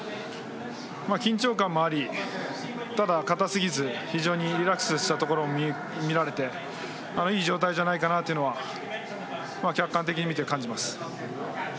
緊張感もありただ硬すぎず非常にリラックスしたところも見られていい状態じゃないかとは客観的に見て感じます。